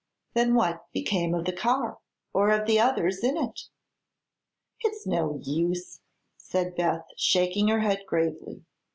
"Then what became of the car, or of the others in it?" "It's no use," said Beth, shaking her head gravely.